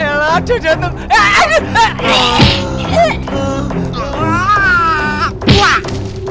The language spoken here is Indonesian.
ya lah cu jantung